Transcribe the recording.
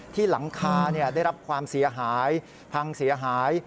หลังคาได้รับความเสียหายพังเสียหาย